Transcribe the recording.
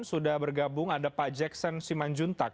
sudah bergabung ada pak jackson simanjuntak